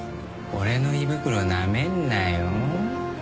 俺の胃袋なめんなよ。